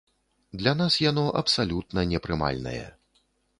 Для нас яно абсалютна непрымальнае.